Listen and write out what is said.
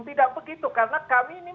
tidak begitu karena kami ini